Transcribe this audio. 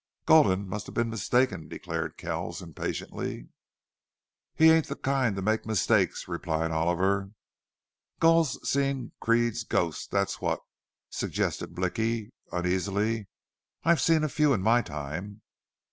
"Gulden must have been mistaken," declared Kells, impatiently. "He ain't the kind to make mistakes," replied Oliver. "Gul's seen Creede's ghost, thet's what," suggested Blicky, uneasily. "I've seen a few in my time."